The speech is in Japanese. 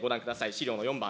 資料の４番。